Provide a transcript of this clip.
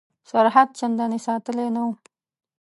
سرحد چنداني ساتلی نه وو.